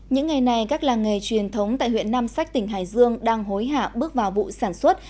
những ngày này các làng nghề truyền thống tại huyện nam sách tỉnh hải dương đang hối hả bước vào vụ sản xuất